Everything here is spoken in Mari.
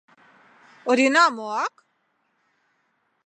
— Орина моак!..